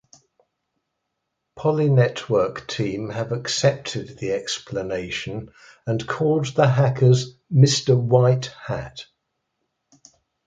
Poly Network team have accepted the explanation and called the hackers "Mr White Hat".